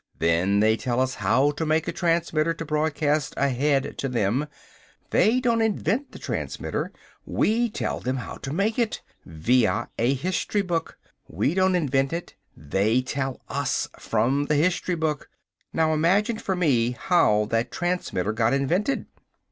Then they tell us how to make a transmitter to broadcast ahead to them. They don't invent the transmitter. We tell them how to make it via a history book. We don't invent it. They tell us from the history book. Now imagine for me how that transmitter got invented!"